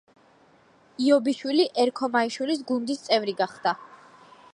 იობიშვილი ერქომაიშვილის გუნდის წევრი გახდა.